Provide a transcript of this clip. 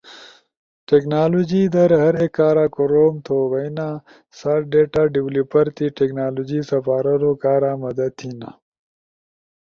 ٹیکنالوجی در ہر ایک کارا کوروم تھو بھئینا، سا ڈیتا ڈویلپر تی ٹیکنالوجی سپارونو کارا مدد تھینا،